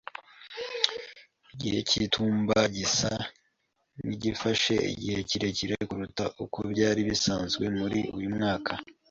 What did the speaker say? Igihe cy'itumba gisa nkigifashe igihe kirekire kuruta uko byari bisanzwe muri uyu mwaka.